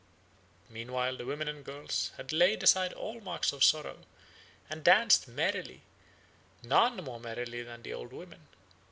Meanwhile the women and girls had laid aside all marks of sorrow, and danced merrily, none more merrily than the old women.